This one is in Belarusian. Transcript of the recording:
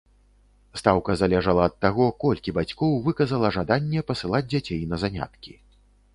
Стаўка залежала ад таго, колькі бацькоў выказала жаданне пасылаць дзяцей на заняткі.